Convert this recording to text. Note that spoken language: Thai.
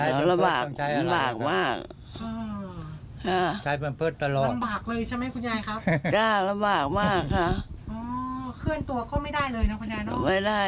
ต้องใช้ตรงตัวต้องใช้อะไรต้องใช้อะไร